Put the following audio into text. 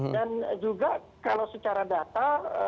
dan juga kalau secara data